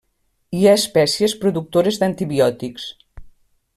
Hi ha espècies productores d'antibiòtics.